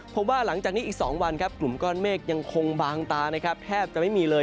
พบว่าหลังจากนี้อีก๒วันกลุ่มก้อนเมฆยังคงบางตาแทบจะไม่มีเลย